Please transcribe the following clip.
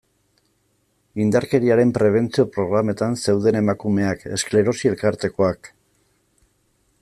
Indarkeriaren prebentzio programetan zeuden emakumeak, esklerosi elkartekoak...